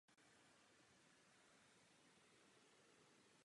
Ztvárnil jednu z vedlejších rolí v celovečerním filmu Prezident Blaník.